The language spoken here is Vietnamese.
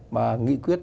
mà nghị quyết